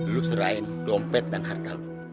lo serahin dompet dan harga lo